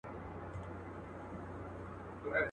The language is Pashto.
د هلک موري سرلوړي په جنت کي دي ځای غواړم.